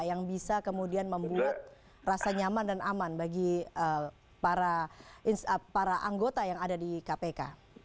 yang bisa kemudian membuat rasa nyaman dan aman bagi para anggota yang ada di kpk